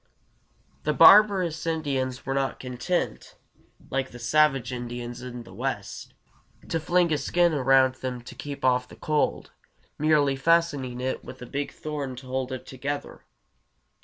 ] The barbarous Indians were not content, like the savage Indians in the West, to fling a skin around them to keep off the cold, merely fastening it with a big thorn to hold it together.